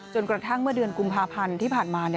กระทั่งเมื่อเดือนกุมภาพันธ์ที่ผ่านมา